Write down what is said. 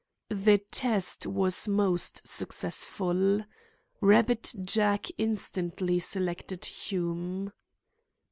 The test was most successful. "Rabbit Jack" instantly selected Hume.